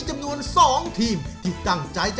มันร้าว